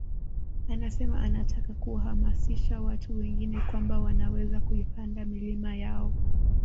Anasema anataka kuwahamasisha watu wengine kwamba wanaweza kuipanda milima yao